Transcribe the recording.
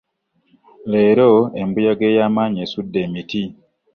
Leero embuyaga eyamanyi yasudde emitti.